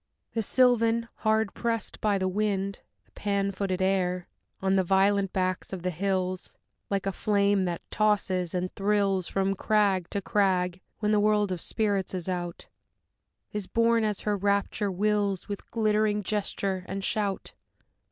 The Sylvan, hard pressed by the wind, the Pan footed air, On the violent backs of the hills, Like a flame that tosses and thrills From crag to crag when the world of spirits is out, Is borne, as her rapture wills, With glittering gesture and shout.